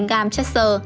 hai bốn g chất sơ